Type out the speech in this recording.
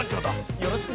よろしくね！